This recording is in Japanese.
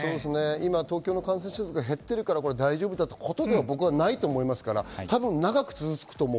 今、東京の感染者数が減ってるから大丈夫だということではなくて、長く続くと思う。